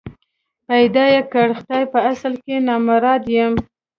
پيدا کړی خدای په اصل کي نامراد یم